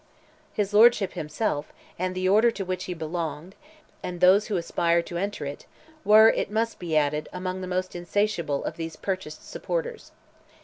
His lordship himself, and the order to which he belonged, and those who aspired to enter it, were, it must be added, among the most insatiable of these purchased supporters.